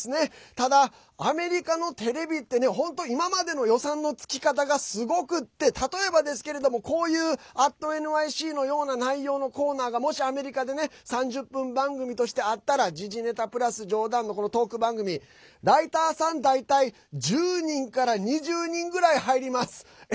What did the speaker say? ただ、アメリカのテレビって今まで予算のつき方がすごくって例えばですけれども、こういう「＠ｎｙｃ」のような内容のコーナーがもしアメリカで３０分番組としてあったら時事ネタ、プラス冗談のトーク番組ライターさん、大体１０人から２０人ぐらい入ります。